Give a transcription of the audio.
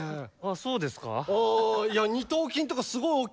そうですかね？